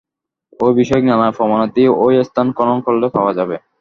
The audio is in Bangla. ঐ-বিষয়ক নানা প্রমাণাদি এই স্থান খনন করলে পাওয়া যাবে।